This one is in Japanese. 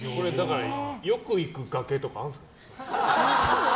よく行く崖とかあるんですか？